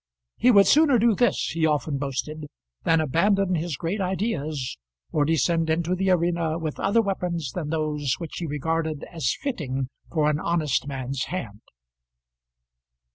He would sooner do this, he often boasted, than abandon his great ideas or descend into the arena with other weapons than those which he regarded as fitting for an honest man's hand.